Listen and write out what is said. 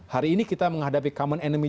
hari ini kita menghadapi common enemy